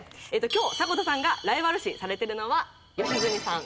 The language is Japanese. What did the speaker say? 今日迫田さんがライバル視されてるのは良純さん。